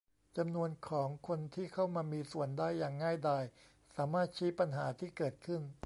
จำนวนของคนที่เข้ามามีส่วนได้อย่างง่ายดายสามารถชี้ปัญหาที่เกิดขึ้น